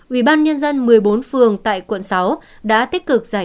ủy ban nhân dân một mươi bốn phường tại quận sáu đã tích cực giải